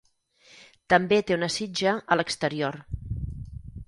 També té una sitja a l'exterior.